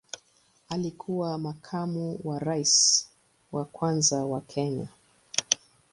Alikuwa makamu wa rais wa kwanza wa Kenya.